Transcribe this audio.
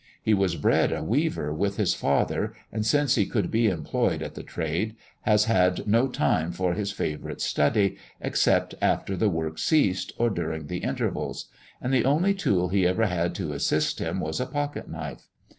He was bred a weaver with his father, and since he could be employed at the trade, has had no time for his favourite study, except after the work ceased, or during the intervals; and the only tool he ever had to assist him was a pocket knife.